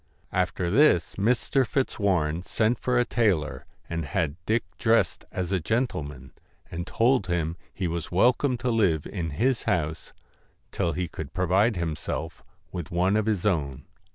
After this Mr. Fitzwarren sent for a tailor, and had Dick dressed as a gentleman, and told him he was welcome to live in his house till he could provide himself with one of his own.